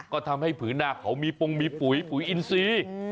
ก็ทำให้ผืนหน้าเขามีปุ๋ยมีปุ๋ยอินทรีย์